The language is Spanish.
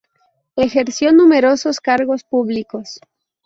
Ejerció numerosos cargos públicos.